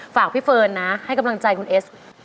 ฝากพี่เฟิร์นนะให้กำลังใจคุณเอส